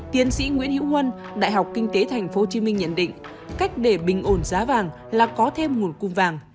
tiến sĩ nguyễn hiễu huân đại học kinh tế tp hcm nhận định cách để bình ổn giá vàng là có thêm nguồn cung vàng